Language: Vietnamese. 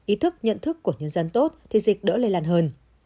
ý thức nhận thức của nhân dân tốt thì dịch đỡ lây lan hơn